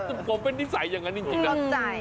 เออผมเป็นนิสัยอย่างนั้นจริงอืมเข้าใจ